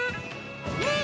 ねえ！